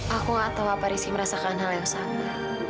aku gak tahu apa rizky merasakan hal yang sama